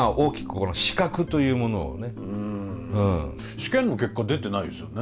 試験の結果出てないですよね。